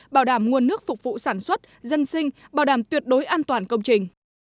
bảo đảm nguồn nước phục vụ sản xuất dân sinh bảo đảm tuyệt đối an toàn công trình